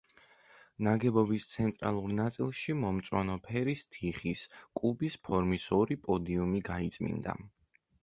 ნაგებობის ცენტრალურ ნაწილში მომწვანო ფერის თიხის, კუბის ფორმის ორი პოდიუმი გაიწმინდა.